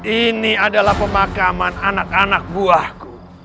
ini adalah pemakaman anak anak buahku